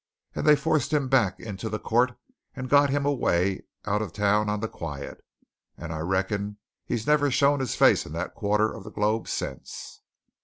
And they forced him back into the court, and got him away out of the town on the quiet and I reckon he's never shown his face in that quarter of the globe since."